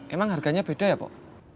emang harganya beda ya bu